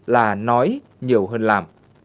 là nói nhiều hơn làm